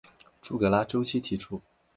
朱格拉周期提出。